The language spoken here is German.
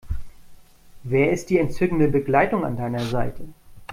Wer ist die entzückende Begleitung an deiner Seite?